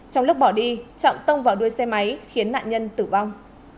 trong lúc bỏ đi trọng tông vào đuôi xe máy khiến nạn nhân tử vong